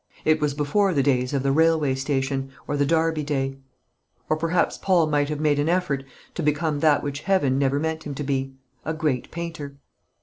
It was before the days of the "Railway Station" and the "Derby Day;" or perhaps Paul might have made an effort to become that which Heaven never meant him to be a great painter.